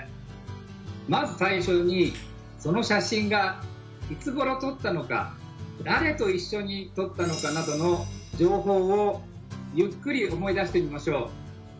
まず最初にその写真がいつごろ撮ったのか誰と一緒に撮ったのかなどの情報をゆっくり思い出してみましょう。